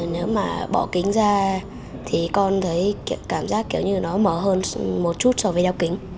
nếu mà bỏ kính ra thì con thấy cảm giác kiểu như nó mở hơn một chút so với đeo kính